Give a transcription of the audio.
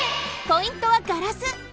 ポイントはガラス！